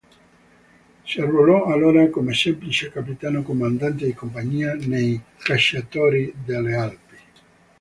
Si arruolò allora come semplice capitano comandante di compagnia nei Cacciatori delle Alpi.